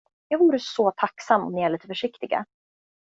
Jag vore så tacksam om ni är lite försiktiga.